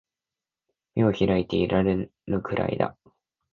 眼を開いていられぬくらいだ